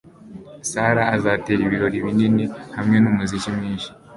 Sarah azatera ibirori binini hamwe numuziki mwinshi